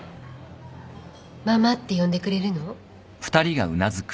ママって呼んでくれるの？